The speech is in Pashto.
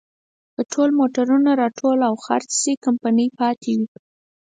که ټول موټرونه راټول او خرڅ شي، کمپنۍ پاتې وي.